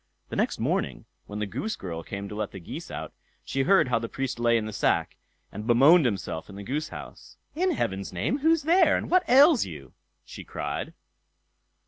The next morning, when the goose girl came to let the geese out, she heard how the Priest lay in the sack, and bemoaned himself in the goose house. "In heaven's name, who's there, and what ails you?" she cried.